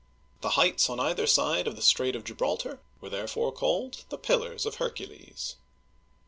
The heights on either side of the Strait of Gibraltar were therefore called the Pillars of Hercules.